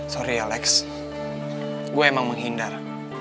sorry ya lex gue emang menghindar